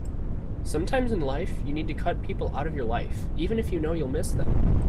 Sometimes in life you need to cut people out of your life even if you know you'll miss them.